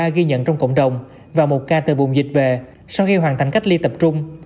ba ghi nhận trong cộng đồng và một ca từ vùng dịch về sau khi hoàn thành cách ly tập trung